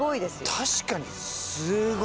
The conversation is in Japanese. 確かに。